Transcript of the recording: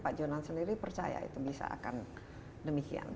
pak jonan sendiri percaya itu bisa akan demikian